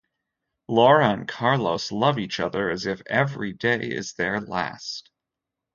Laura and Carlos love each other as if every day is their last.